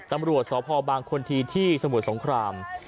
ตำรวจสพบางคนทีที่สมุทรสงคราม